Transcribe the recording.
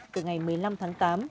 từ ngày một mươi năm tháng tám